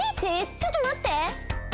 ちょっとまって！